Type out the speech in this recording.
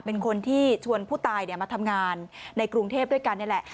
เป็นคนที่ชวนผู้ตายมาทำงานในกรุงเทพด้วยกันนี่แหละ